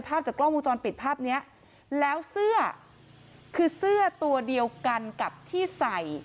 จากกล้องวงจรปิดภาพเนี้ยแล้วเสื้อคือเสื้อตัวเดียวกันกับที่ใส่